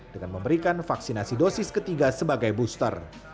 dengan memberikan vaksinasi dosis ketiga sebagai booster